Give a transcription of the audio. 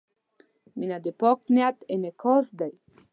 • مینه د پاک نیت انعکاس دی.